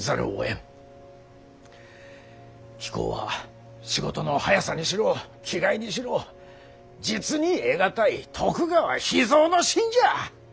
貴公は仕事の早さにしろ気概にしろ実に得難い徳川秘蔵の臣じゃ。